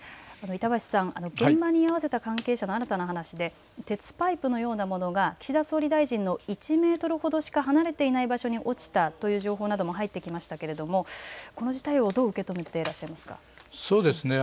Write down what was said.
板橋さん、現場に居合わせた関係者の新たな話で鉄パイプのようなものが岸田総理大臣の１メートルほどしか離れていない場所に落ちたという情報なども入ってきましたけれどもこの事態をどう受け止めていらっしゃいますか。